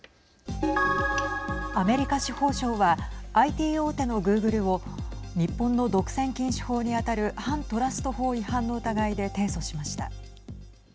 アメリカ司法省はＩＴ大手のグーグルを日本の独占禁止法に当たる反トラスト法違反の疑いで提訴しました。